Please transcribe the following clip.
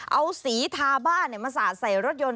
เอาสีทาบ้านมาสาดใส่รถยนต์